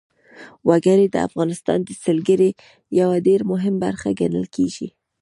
وګړي د افغانستان د سیلګرۍ یوه ډېره مهمه برخه ګڼل کېږي.